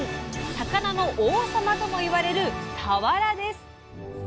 魚の王様とも言われる「さわら」です。